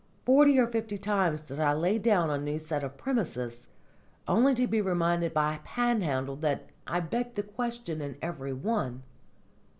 Forty or fifty times did I lay down a new set of premises, only to be reminded by Panhandle that I begged the question in every one.